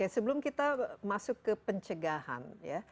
sebelum kita masuk ke pencegahan ya